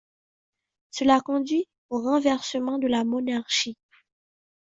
Cela conduit au renversement de la monarchie.